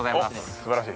すばらしい。